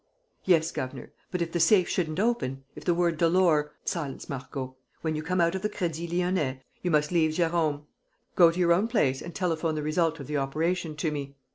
"Yes, governor. But if the safe shouldn't open; if the word Dolor ..." "Silence, Marco. When you come out of the Crédit Lyonnais, you must leave Jérôme, go to your own place and telephone the result of the operation to me.